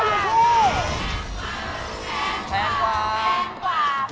ราคาอยู่ที่